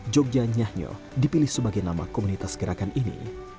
jogja nyahnyo dipilih sebagai nama komunitas gerakan ini